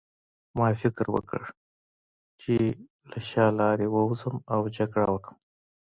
ما فکر وکړ چې له شا لارې ووځم او جګړه وکړم